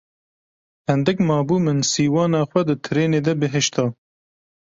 Hindik mabû min sîwana xwe di trênê de bihişta.